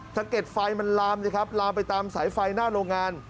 ถ้าเกร็ดไฟมันลามลามไปตามสายไฟหน้าโรงงาน